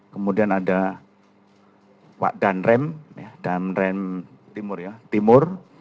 kemudian ada wak danrem timur